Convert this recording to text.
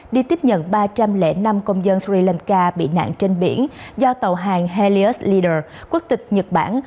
đi tiếp nhận ba trăm linh năm công dân sri lanka bị nạn trên biển do tàu hàng helius lider quốc tịch nhật bản